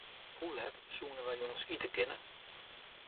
Hoe let soenen wy jûns ite kinne?